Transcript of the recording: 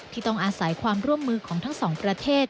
ที่ต้องอาศัยความร่วมมือของทั้งสองประเทศ